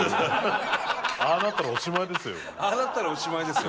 「ああなったらおしまいですよ